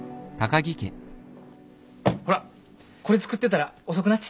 ほらこれ作ってたら遅くなっちった。